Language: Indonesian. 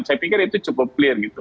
saya pikir itu cukup clear gitu